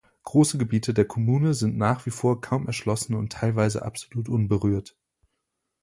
Große Gebiete der Kommune sind nach wie vor kaum erschlossen und teilweise absolut unberührt.